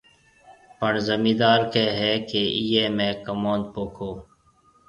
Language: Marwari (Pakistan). پڻ زميندار ڪهيَ هيَ ڪيَ ايئي ۾ ڪموُند پوکو۔